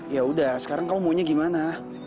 yaudah sekarang kamu maunya gimana